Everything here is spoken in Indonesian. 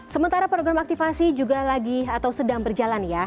sementara program aktifasi juga lagi atau sedang berjalan ya